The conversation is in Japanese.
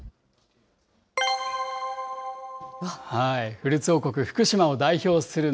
フルーツ王国、福島を代表する桃。